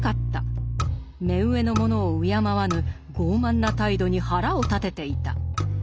目上の者を敬わぬ傲慢な態度に腹を立てていた。